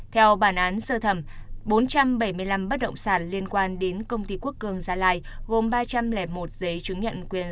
theo bản án sơ thẩm bốn trăm bảy mươi năm bất động sản liên quan đến công ty quốc cường gia lai gồm ba trăm linh một giấy chứng nhận quyền